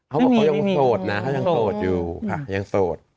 เขาบอกเขายังโสดนะเขายังโสดอยู่ค่ะยังโสด